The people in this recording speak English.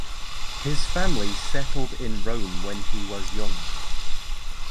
His family settled in Rome when he was young.